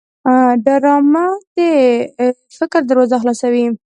ډرامه د فکر دروازه خلاصوي